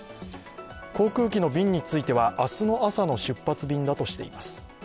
航空機の便については明日の朝の出発便だとしています。